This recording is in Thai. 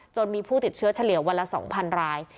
มีผู้ติดเชื้อเฉลี่ยวันละ๒๐๐ราย